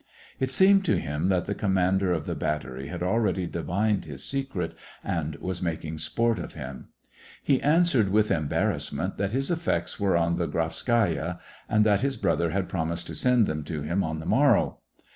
It seemed to him that the commander of the bat tery had already divined his secret, and was mak ing sport of him. He answered, with embarrass SEVASTOPOL IN AUGUST, 185 ment, that his effects were on the Grafskaya, and that his brother had promised to send them to him on the morrow.